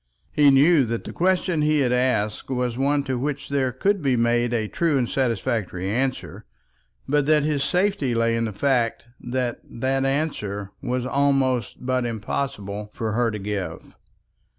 He knew that the question he had asked was one to which there could be made a true and satisfactory answer, but that his safety lay in the fact that that answer was all but impossible for her to give.